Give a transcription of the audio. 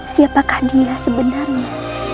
siapakah dia sebenarnya